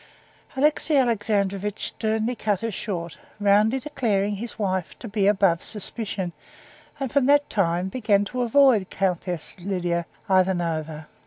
Alexey Alexandrovitch sternly cut her short, roundly declaring his wife to be above suspicion, and from that time began to avoid Countess Lidia Ivanovna.